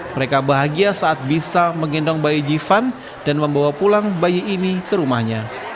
mereka bahagia saat bisa menggendong bayi jivan dan membawa pulang bayi ini ke rumahnya